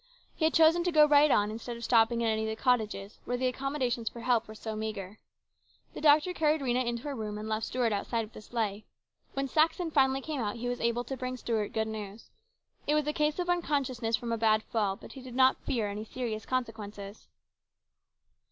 He had chosen to go right on instead of stopping at any of the cottages, where the accommodations for help were so meagre. The doctor carried Rhena into her room and left Stuart outside with the sleigh. When Saxon finally came out he was able to bring Stuart good news. It was a case of unconsciousness from a bad fall, but he did not fear any serious consequences.